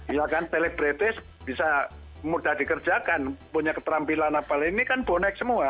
iya kan telebretes bisa mudah dikerjakan punya keterampilan apalagi ini kan bonek semua